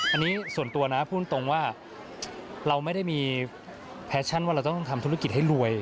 อันนี้ส่วนตัวนะพูดตรงว่าเราไม่ได้มีแฟชั่นว่าเราต้องทำธุรกิจให้รวย